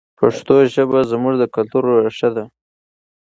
پښتو ژبه زموږ د کلتور ریښه ده.